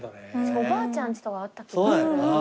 おばあちゃんちとかあった気がする。